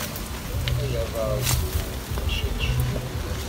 Ay aḍaṛ jbu, a tiṭ cfu!